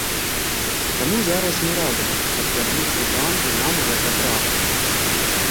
Таму зараз мы разам, каб вярнуць і вам, і нам гэта права.